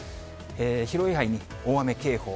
広い範囲に大雨警報。